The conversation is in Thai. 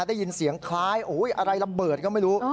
ได้ยินเสียงคล้ายอะไรระเบิดก็ไม่รู้